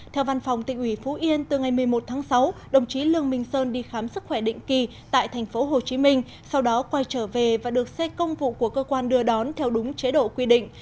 theo văn phòng tỉnh ủy phú yên từ ngày một mươi một tháng sáu đồng chí lương minh sơn đi khám sức khỏe định kỳ tại thành phố hồ chí minh sau đó quay trở về và được xét công vụ của cơ quan đưa đón theo đúng chế độ quy định